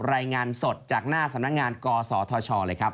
รายงานสดจากหน้าสำนักงานกศธชเลยครับ